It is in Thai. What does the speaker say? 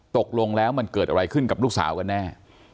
ตกลงแล้วมันเกิดอะไรขึ้นกับลูกสาวกันแน่